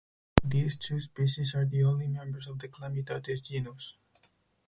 These two species are the only members of the "Chlamydotis" genus.